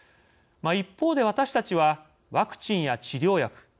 一方で私たちはワクチンや治療薬